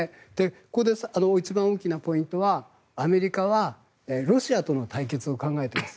ここで一番大きなポイントはアメリカはロシアとの対決を考えています。